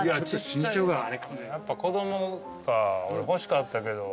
やっぱ子供か欲しかったけど。